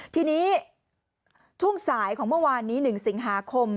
ทีนี้ช่วงสายของเมื่อวานนี้๑สิงหาคม